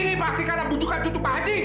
ini pasti karena bujukan cucu pak adi